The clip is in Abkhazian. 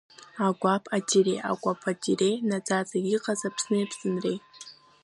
Акәаԥ-атире, акәаԥатире, наӡаӡа иҟаз Аԥсни Аԥсынреи!